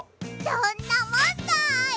どんなもんだい！